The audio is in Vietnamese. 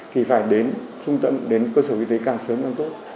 thì phải đến trung tâm đến cơ sở y tế càng sớm càng tốt